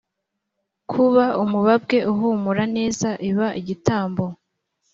kuba umubabwe uhumura neza iba igitambo